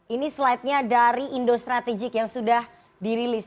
ini slidenya dari indo strategic yang sudah dirilis